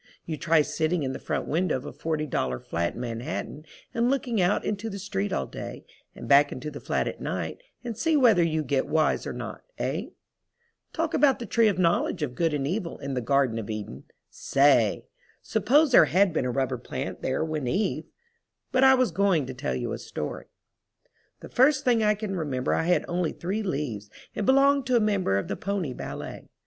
You try sitting in the front window of a $40 flat in Manhattan and looking out into the street all day, and back into the flat at night, and see whether you get wise or not—hey? Talk about the tree of knowledge of good and evil in the garden of Eden—say! suppose there had been a rubber plant there when Eve—but I was going to tell you a story. The first thing I can remember I had only three leaves and belonged to a member of the pony ballet.